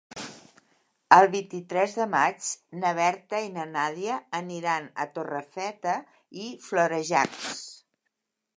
El vint-i-tres de maig na Berta i na Nàdia aniran a Torrefeta i Florejacs.